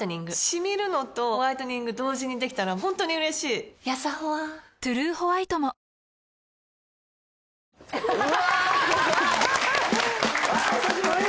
シミるのとホワイトニング同時にできたら本当に嬉しいやさホワ「トゥルーホワイト」もうわ久しぶりですね！